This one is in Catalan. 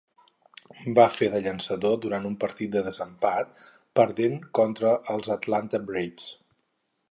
Va fer de llançador durant un partit de desempat perdent contra els Atlanta Braves.